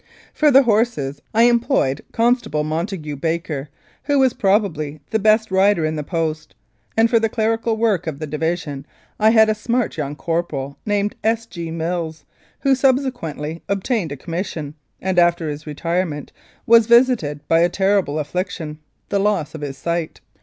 For the horses I employed Constable Mon tague Baker, who was probably the best rider in the Post, and for the clerical work of the division I had a smart young corporal named S. G. Mills, who sub sequently obtained a commission, and after his retire ment was visited by a terrible affliction the loss of his sight.